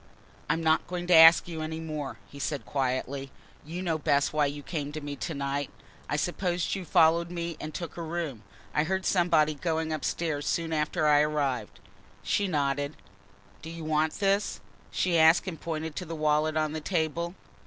"I'm not going to ask you any more," he said quietly. "You know best why you came to me to night I suppose you followed me and took a room. I heard somebody going upstairs soon after I arrived." She nodded. "Do you want this?" she asked and pointed to the wallet on the table.